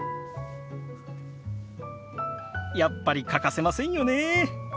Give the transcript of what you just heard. やっぱり欠かせませんよねえ。